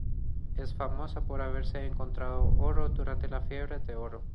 Es famosa por haberse encontrado oro durante la fiebre de oro.